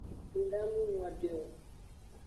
Nda nu nyode o.